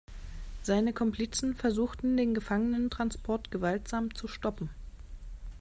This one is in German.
Seine Komplizen versuchten den Gefangenentransport gewaltsam zu stoppen.